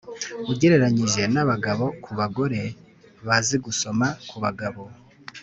ugereranyije n abagabo ku bagore bazi gusoma ku bagabo